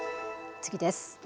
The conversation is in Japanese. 次です。